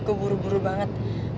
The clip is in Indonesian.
gue buru buru banget